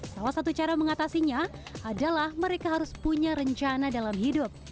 salah satu cara mengatasinya adalah mereka harus punya rencana dalam hidup